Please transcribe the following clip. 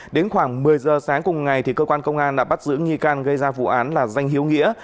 đến khoảng một mươi giờ sáng cùng ngày cơ quan công an đã bắt giữ nghi can gây ra vụ án là danh hiếu nghĩa